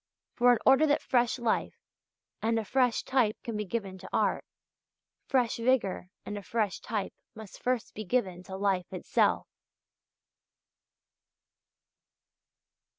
For, in order that fresh life and a fresh type can be given to art, fresh vigour and a fresh type must first be given to life itself.